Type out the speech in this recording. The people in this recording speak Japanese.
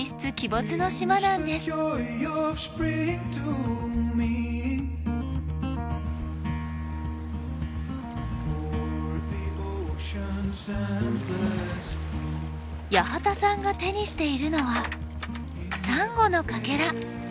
八幡さんが手にしているのはサンゴのかけら。